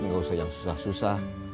nggak usah yang susah susah